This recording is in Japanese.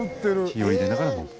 火を入れながら。